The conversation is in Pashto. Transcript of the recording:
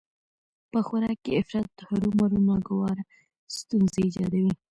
په خوراک کې افراط هرومرو ناګواره ستونزې ايجادوي